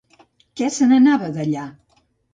Què se n'anava d'allà?